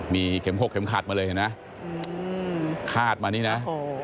มีเข็มขกเข็มขัดมาเลยนะคาดมานี่นะโอ้โห